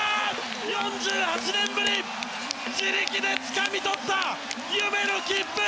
４８年ぶり自力でつかみ取った夢の切符！